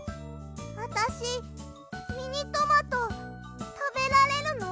あたしミニトマトたべられるの？